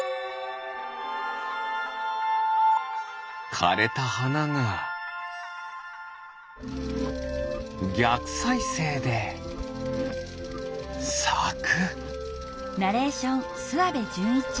かれたはながぎゃくさいせいでさく。